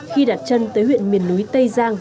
khi đặt chân tới huyện miền núi tây giang